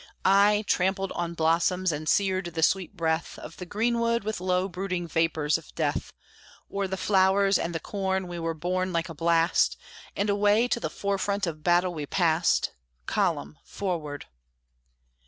Ay, trampled on blossoms, and seared the sweet breath Of the greenwood with low brooding vapors of death; O'er the flowers and the corn we were borne like a blast, And away to the forefront of battle we passed "Column! Forward!"